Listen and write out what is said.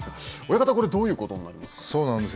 親方、これどういうことになりますか。